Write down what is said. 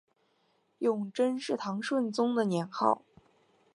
永贞是唐顺宗的年号。